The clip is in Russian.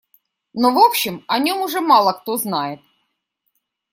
Но, в общем, о нем уже мало кто знает.